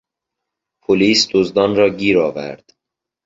پلیس دزدان را گیر آورد.